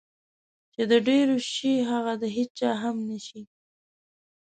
چې د ډېرو شي هغه د هېچا هم نشي.